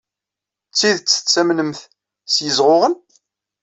D tidet tettamnemt s yizɣuɣen?